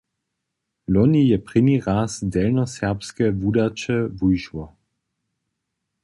Loni je prěni raz delnjoserbske wudaće wušło.